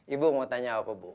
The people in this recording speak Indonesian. ibu mau tanya apa bu